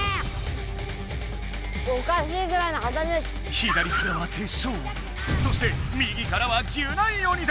左からはテッショウ鬼そして右からはギュナイ鬼だ！